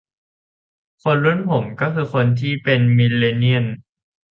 คนรุ่นผมคือคนที่เป็นมิลเลนเนียล